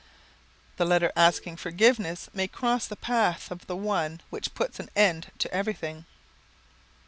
The letter asking forgiveness may cross the path of the one which puts an end to everything.